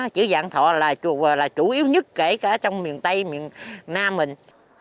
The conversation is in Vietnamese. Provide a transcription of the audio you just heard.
chữ vạn thọ là chủ yếu nhất kể cả trong miền tây miền nam mình